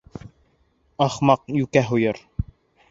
Ахмаҡ йүкә һуйыр.